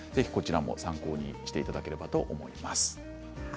参考にしていただければと思います。